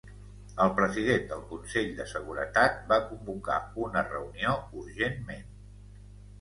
El president del Consell de Seguretat va convocar una reunió urgentment.